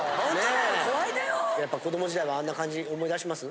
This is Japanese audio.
ねえやっぱ子供時代はあんな感じ思い出します？